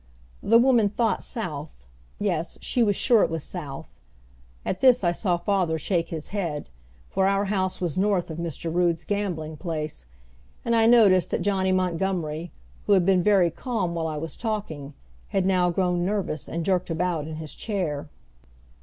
The woman thought south, yes, she was sure it was south. At this I saw father shake his head, for our house was north of Mr. Rood's gambling place, and I noticed that Johnny Montgomery, who had been very calm while I was talking, had now grown nervous and jerked about in his chair.